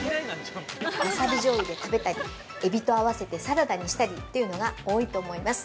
ワサビじょうゆで食べたりエビと合わせてサラダにしたりというのが多いと思います。